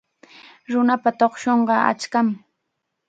Nunapa tuqshunqa achkam.